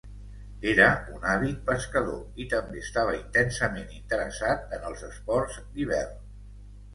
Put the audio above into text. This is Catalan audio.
Era un àvid Pescador, i també estava intensament interessat en els esports d'hivern.